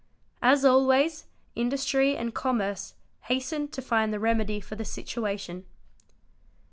As always, industry and commerce hastened to find the remedy for the situation.